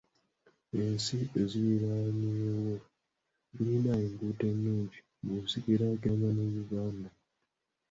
Ensi eziriraanyeewo zirina enguudo ennungi bw'ozigeraageranya ne Uganda.